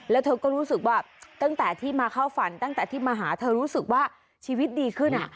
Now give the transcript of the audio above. แล้วเธอก็รู้สึกว่าตั้งแต่ที่มาเข้าฝันตั้งแต่ที่มาหาเธอรู้สึกว่าชีวิตดีขึ้น